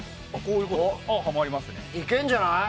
いけんじゃない？